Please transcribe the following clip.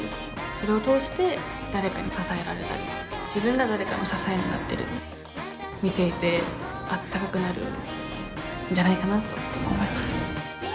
それを通して誰かに支えられたり自分が誰かの支えになったり見ていてあったかくなるんじゃないかなと思います。